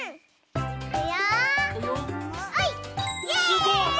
すごい！